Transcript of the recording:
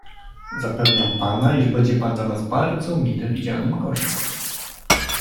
"Zapewniam pana, iż będzie pan dla nas bardzo mile widzianym gościem."